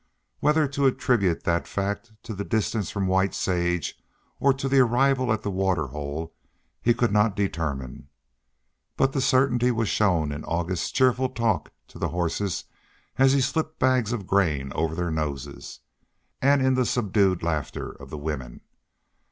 Whether to attribute that fact to the distance from White Sage or to the arrival at the water hole he could not determine. But the certainty was shown in August's cheerful talk to the horses as he slipped bags of grain over their noses, and in the subdued laughter of the women.